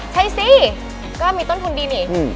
ใช่สิก็มีต้นทุนดีนี่